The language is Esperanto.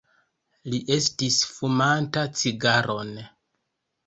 Li estis fumanta cigaron.